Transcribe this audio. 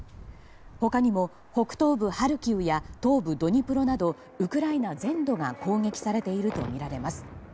他にも、北東部ハルキウや東部ドニプロなどウクライナ全土が攻撃されているとみられます。